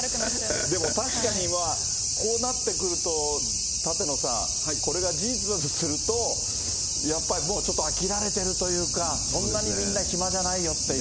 確かにこうなってくると、舘野さん、これが事実だとすると、やっぱりもう、ちょっと飽きられてるというか、そんなにみんな暇じゃないよっていう。